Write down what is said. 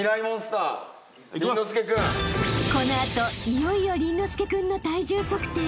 ［この後いよいよ倫之亮君の体重測定］